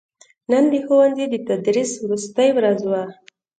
نن دښوونځي دتدریس وروستې ورځ وه